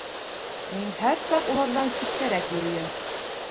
Мин һәр саҡ уларҙан ситтәрәк йөрөйөм.